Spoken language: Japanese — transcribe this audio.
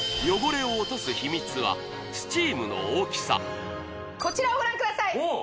汚れを落とす秘密はスチームの大きさこちらをご覧ください